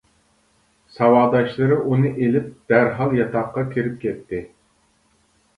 ساۋاقداشلىرى ئۇنى ئېلىپ دەرھال ياتاققا كىرىپ كەتتى.